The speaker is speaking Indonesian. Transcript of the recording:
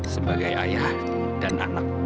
sebagai ayah dan anak